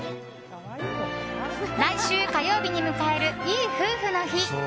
来週火曜日に迎えるいい夫婦の日。